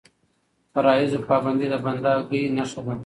د فرایضو پابندي د بنده ګۍ نښه ده.